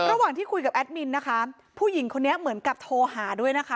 ระหว่างที่คุยกับแอดมินนะคะผู้หญิงคนนี้เหมือนกับโทรหาด้วยนะคะ